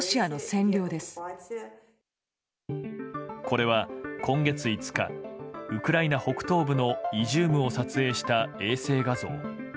これは今月５日ウクライナ北東部のイジュームを撮影した衛星画像。